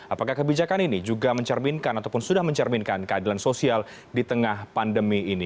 apakah kebijakan ini juga mencerminkan ataupun sudah mencerminkan keadilan sosial di tengah pandemi ini